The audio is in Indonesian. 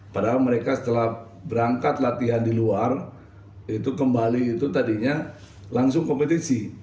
padahal mereka setelah berangkat latihan di luar itu kembali itu tadinya langsung kompetisi